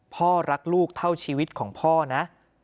พ่อรักลูกเท่าชีวิตของพ่อนะ